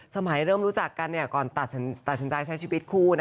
เริ่มรู้จักกันก่อนตัดสินใจใช้ชีวิตคู่